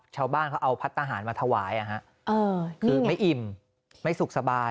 ชาวบ้านเขาเอาพัฒนาหารมาถวายคือไม่อิ่มไม่สุขสบาย